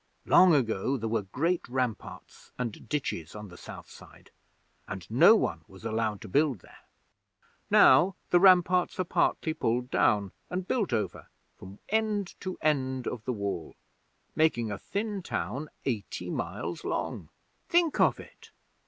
Long ago there were great ramparts and ditches on the South side, and no one was allowed to build there. Now the ramparts are partly pulled down and built over, from end to end of the Wall; making a thin town eighty miles long. Think of it!